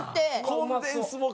コンデンスもか！